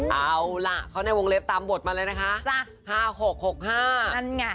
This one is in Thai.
เอาล่ะเขาในวงเลศตามบทมาเลยนะคะ